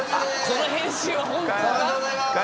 この編集は本当か？